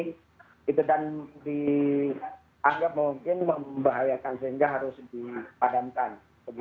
jadi itu akan dianggap mungkin membahayakan sehingga harus dipadamkan